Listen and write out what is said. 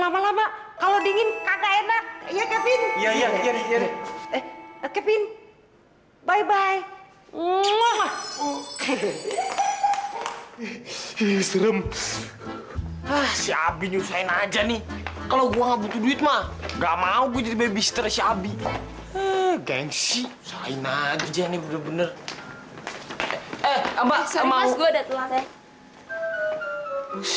punya pembantu brengsek